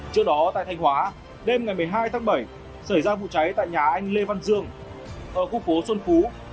trước đó tại thanh hóa đêm ngày một mươi hai tháng bảy xảy ra vụ cháy tại nhà anh lê văn dương ở khu phố xuân phú